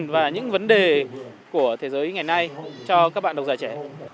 và những vấn đề của thế giới ngày nay cho các bạn độc giả trẻ